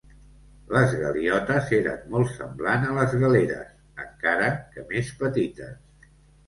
Les galiotes eren molt semblants a les galeres, encara que més petites.